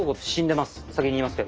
先に言いますけど。